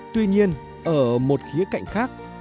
tuy nhiên ở một khía cạnh khác